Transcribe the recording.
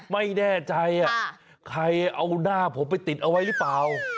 ไม่แน่ใจใครเอาหน้าผมไปติดเอาไว้หรือเปล่า